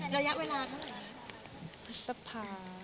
ระยะเวลาเท่านั้น